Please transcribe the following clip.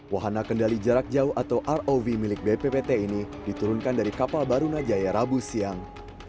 wahana kendali jarak jauh atau rov milik bppt ini diturunkan dari kapal barunajaya rabu siang